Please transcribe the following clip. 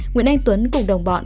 nguyễn anh tuấn cùng đồng bọn